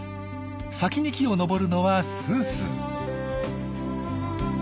先に木を登るのはすーすー。